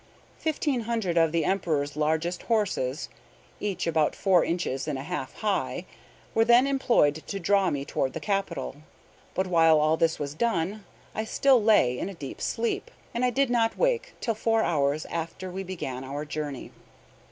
Fifteen hundred of the Emperor's largest horses, each about four inches and a half high, were then employed to draw me toward the capital. But while all this was done I still lay in a deep sleep, and I did not wake till four hours after we began our journey.